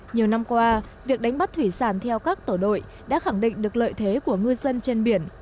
nhiều năm qua việc đánh bắt thủy sản theo các tổ đội đã khẳng định được lợi thế của ngư dân trên biển